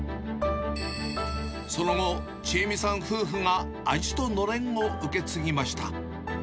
その後、智恵美さん夫婦が味とのれんを受け継ぎました。